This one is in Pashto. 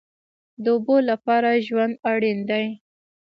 د اوبو لپاره ژوند اړین دی